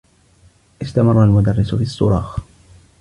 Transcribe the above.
استمرّ المدرّس في الصّراخ.